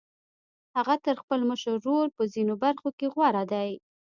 هغه تر خپل مشر ورور په ځينو برخو کې غوره دی.